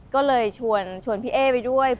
ก็เลยชวนพี่เอ๊ไปด้วย